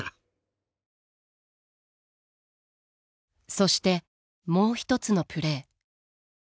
そしてもう一つのプレー。